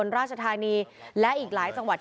มันจะปิดหลังคาไหม